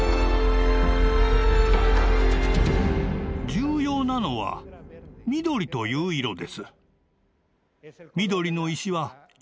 重要なのは緑という色です。